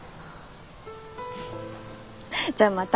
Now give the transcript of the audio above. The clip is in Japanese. じゃあまた。